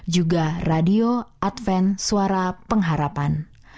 juga radio adven suara pengharapan